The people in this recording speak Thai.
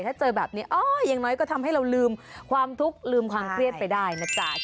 ถ้าเจอแบบนี้อย่างน้อยก็ทำให้เราลืมความทุกข์ลืมความเครียดไปได้นะจ๊ะ